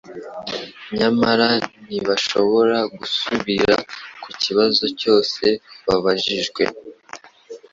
nyamara ntibashobora gusubiLa ku kibazo cyose babajijwe.